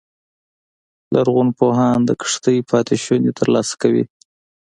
لرغونپوهان د کښتۍ پاتې شونې ترلاسه کوي